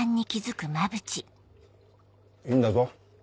いいんだぞ。